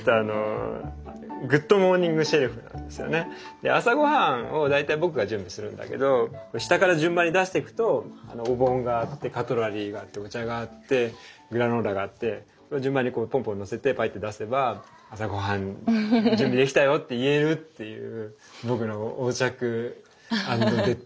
で朝ごはんを大体僕が準備するんだけど下から順番に出してくとお盆があってカトラリーがあってお茶があってグラノーラがあってそれを順番にポンポンのせてポイッて出せば「朝ごはん準備できたよ」って言えるっていううわいいアイデア！